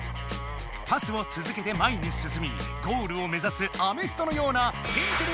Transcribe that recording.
パスをつづけて前にすすみゴールを目ざすアメフトのような「天てれ」